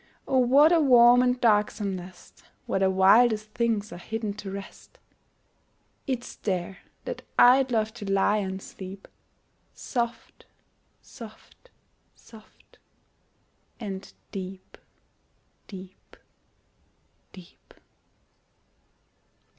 O what a warm and darksome nest Where the wildest things are hidden to rest! It's there that I'd love to lie and sleep, Soft, soft, soft, and deep, deep, deep!